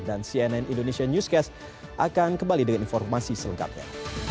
dan cnn indonesia newscast akan kembali dengan informasi selengkapnya